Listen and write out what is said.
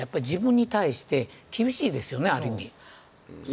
自分に対して厳しいですよねある意味。